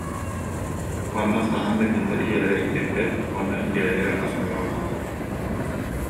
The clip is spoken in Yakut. Уонна хаһан да кинилэр ийэлэрэ итирбэт уонна дьиэлэригэр ас бөҕө баар